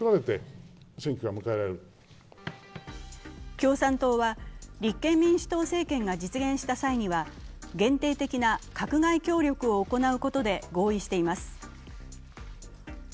共産党は立憲民主党政権が実現した際には限定的な閣外協力を行うことで合意しています。